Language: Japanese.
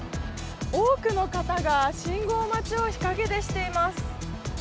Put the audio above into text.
多くの方が信号待ちを日陰でしています。